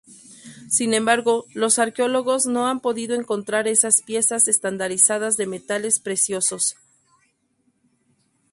Sin embargo, los arqueólogos no han podido encontrar esas piezas estandarizadas de metales preciosos.